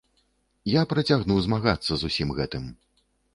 Я працягну змагацца з усім гэтым.